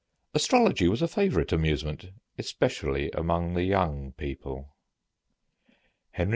Astrology was a favorite amusement, especially among the young people. Henry IV.